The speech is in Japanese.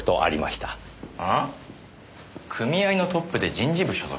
あ？組合のトップで人事部所属。